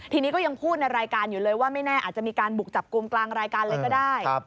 ทีนี้ก็ยังพูดในรายการอยู่เลยว่าไม่แน่อาจจะมีการบุกจับกลุ่มกลางรายการเลยก็ได้